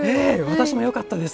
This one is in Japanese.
私もよかったです。